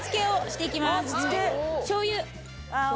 しょうゆ。